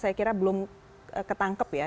saya kira belum ketangkep ya